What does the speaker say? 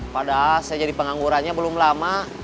padahal saya jadi penganggurannya belum lama